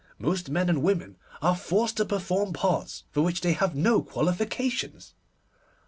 Most men and women are forced to perform parts for which they have no qualifications.